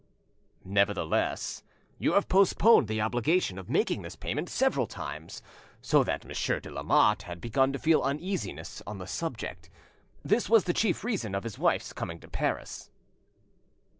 "Nevertheless, you have postponed the obligation of making this payment several times, so that Monsieur de Lamotte had begun to feel uneasiness on the subject. This was the chief reason of his wife's coming to Paris."